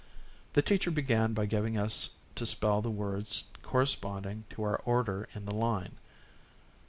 The teacher began by giving us to spell the words corresponding to our order in the line.